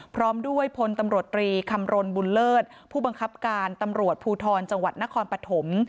พร้อมด้วยพลตำรวจรีคำรณบุญเลิศผู้บังคับการตำรวจภูทรจังหวัดนครปฐม